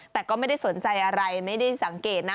แต่ก็ไม่ได้สนใจอะไรไม่ได้สังเกตนะ